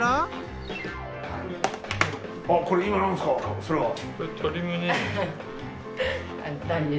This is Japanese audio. あっこれ今何ですか？